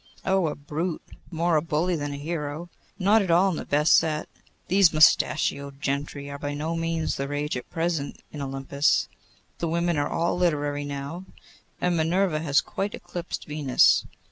'Oh! a brute, more a bully than a hero. Not at all in the best set. These mustachioed gentry are by no means the rage at present in Olympus. The women are all literary now, and Minerva has quite eclipsed Venus.